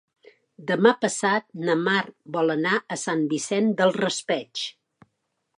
Demà passat na Mar vol anar a Sant Vicent del Raspeig.